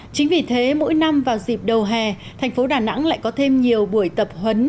chính vì thế mỗi năm vào dịp đầu hè thành phố đà nẵng lại có thêm nhiều buổi tập huấn